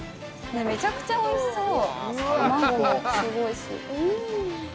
・めちゃくちゃおいしそう。